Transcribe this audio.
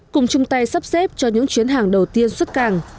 cùng chung tay sắp xếp cho những chuyến hàng đầu tiên xuất càng